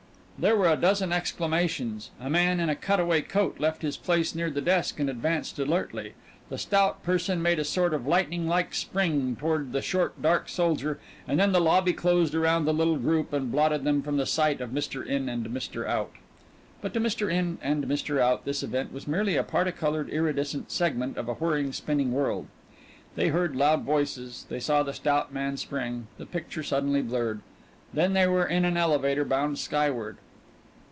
There were a dozen exclamations; a man in a cutaway coat left his place near the desk and advanced alertly; the stout person made a sort of lightning like spring toward the short, dark soldier, and then the lobby closed around the little group and blotted them from the sight of Mr. In and Mr. Out. But to Mr. In and Mr. Out this event was merely a particolored iridescent segment of a whirring, spinning world. They heard loud voices; they saw the stout man spring; the picture suddenly blurred. Then they were in an elevator bound skyward.